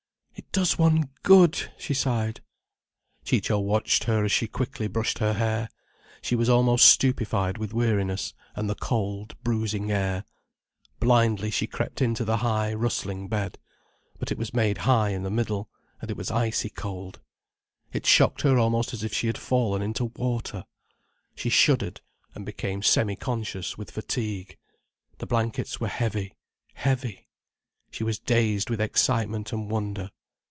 "It does one good!" she sighed. Ciccio watched her as she quickly brushed her hair. She was almost stupefied with weariness and the cold, bruising air. Blindly she crept into the high, rustling bed. But it was made high in the middle. And it was icy cold. It shocked her almost as if she had fallen into water. She shuddered, and became semi conscious with fatigue. The blankets were heavy, heavy. She was dazed with excitement and wonder.